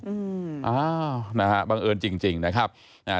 อืมอ้าวนะฮะบังเอิญจริงจริงนะครับอ่า